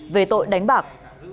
về tội đánh bạc